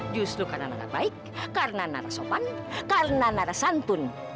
justru karena nara baik karena nara sopan karena nara santun